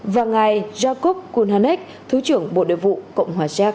và ngài jacob kulhanek thứ trưởng bộ đề vụ cộng hòa sát